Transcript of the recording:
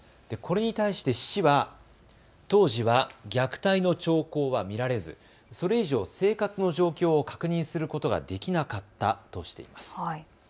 これに対して市は当時は虐待の兆候は見られずそれ以上、生活の状況を確認することができなかったとしています。